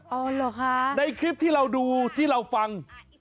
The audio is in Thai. เหรอคะในคลิปที่เราดูที่เราฟัง